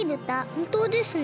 ほんとうですね。